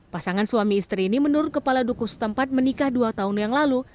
pasangan suami istri ini menurut kepala dukus tempat menikah dua tahun yang lalu